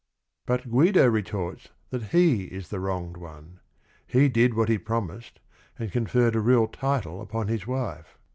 But Guido retorts that he is the wronged one. He did what he promised, and conferred a real title upon his wife.